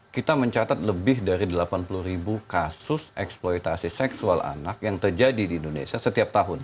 kita mencatat lebih dari delapan puluh ribu kasus eksploitasi seksual anak yang terjadi di indonesia setiap tahun